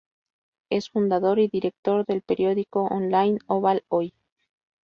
Es fundador y director del periódico online Ovalle Hoy.